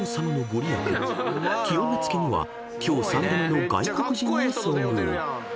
［極め付けには今日３度目の外国人に遭遇］